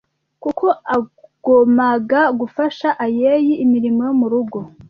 kuko agomaga gufasha ayeyi imirimo yo mu rugo